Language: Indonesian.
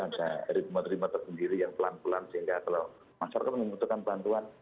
ada ritme rima tersendiri yang pelan pelan sehingga kalau masyarakat membutuhkan bantuan